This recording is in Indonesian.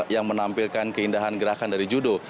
yang menampilkan keindahan gerakan dari judo